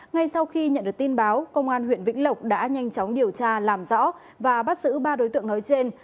ngay sau khi nhận được tin báo công an huyện vĩnh lộc đã nhanh chóng điều tra làm rõ và bắt giữ ba đối tượng nói trên